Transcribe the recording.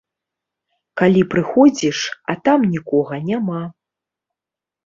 Калі прыходзіш, а там нікога няма.